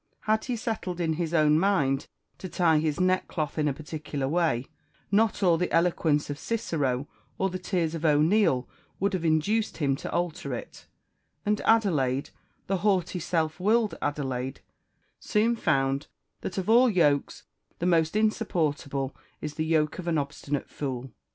Had he settled in his own mind to tie his neckcloth in a particular way, not all the eloquence of Cicero or the tears of O'Neil would have induced him to alter it; and Adelaide, the haughty, self willed Adelaide, soon found that, of all yokes, the most insupportable is the yoke of an obstinate fool.